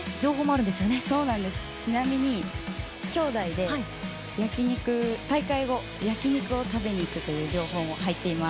ちなみに、兄弟で大会後、焼き肉を食べに行くという情報も入っています。